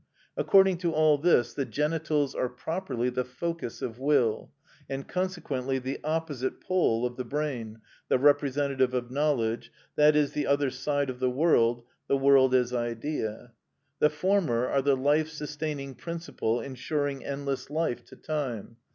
According to all this, the genitals are properly the focus of will, and consequently the opposite pole of the brain, the representative of knowledge, i.e., the other side of the world, the world as idea. The former are the life sustaining principle ensuring endless life to time.